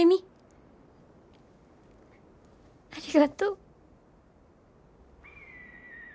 ありがとう。